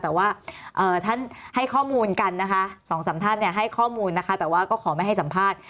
แต่ว่าท่านให้ข้อมูลกันนะคะสองสามท่านให้ข้อมูลนะคะแต่ว่าก็ขอไม่ให้สัมภาษณ์